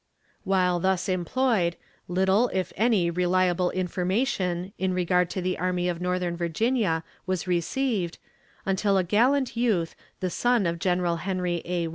While thus employed, little if any reliable information in regard to the Army of Northern Virginia was received, until a gallant youth, the son of General Henry A.